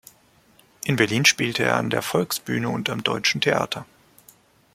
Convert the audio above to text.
In Berlin spielte er an der Volksbühne und am Deutschen Theater.